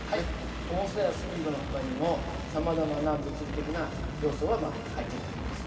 重さやスピードのほかにもさまざまな物理的な要素が入ってた訳なんです。